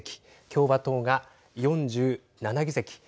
共和党が４７議席。